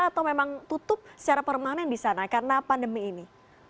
atau memang tutup secara permanen di sana karena pandemi ini